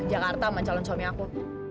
jakarta sama calon suami aku